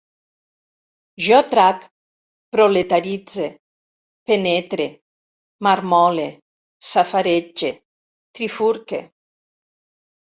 Jo trac, proletaritze, penetre, marmole, safaretge, trifurque